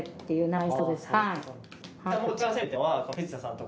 はい。